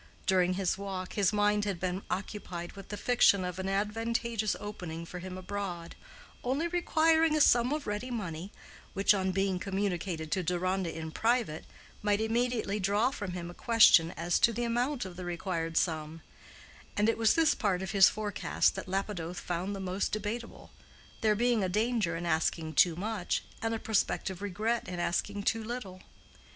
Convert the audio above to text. During his walk, his mind had been occupied with the fiction of an advantageous opening for him abroad, only requiring a sum of ready money, which, on being communicated to Deronda in private, might immediately draw from him a question as to the amount of the required sum: and it was this part of his forecast that Lapidoth found the most debatable, there being a danger in asking too much, and a prospective regret in asking too little.